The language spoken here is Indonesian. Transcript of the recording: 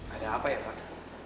ada apa ya pak